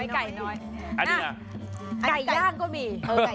ไก่ย่างก็มี